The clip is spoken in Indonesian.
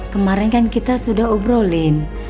kemarin kan kita sudah obrolin